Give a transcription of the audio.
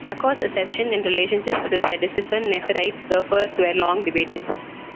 Hakor's accession and relationships with his predecessor Nepherites the First were long debated.